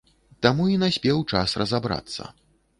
Таму і наспеў час разабрацца.